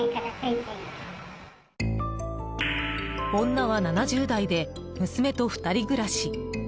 女は７０代で娘と２人暮らし。